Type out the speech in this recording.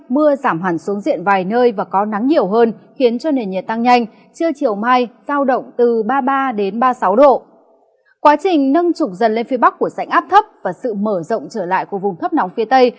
quá trình nâng trục dần lên phía bắc của sảnh áp thấp và sự mở rộng trở lại của vùng thấp nóng phía tây